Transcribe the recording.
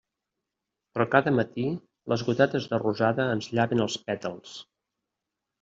Però cada matí les gotetes de rosada ens llaven els pètals.